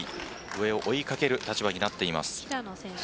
上を追いかける立場になっています。